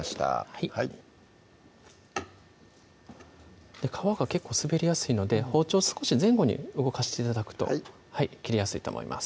はい皮が結構滑りやすいので包丁少し前後に動かして頂くと切れやすいと思います